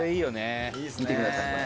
「見てくださいこれ」